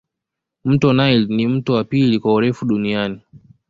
mto nile ni mto wa pili kwa urefu duniani